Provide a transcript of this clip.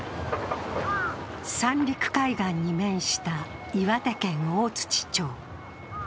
三陸海岸に面した岩手県大槌町。